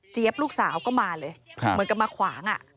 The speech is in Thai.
ลูกสาวก็มาเลยเหมือนกับมาขวาง